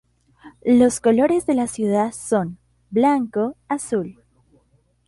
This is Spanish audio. Los colores de la ciudad son blanco-azul.